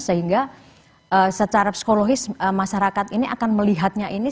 sehingga secara psikologis masyarakat ini akan melihatnya ini